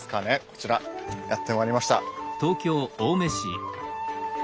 こちらやってまいりました。